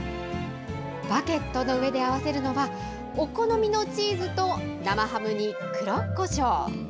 バケットの上で合わせるのは、お好みのチーズと生ハムに黒こしょう。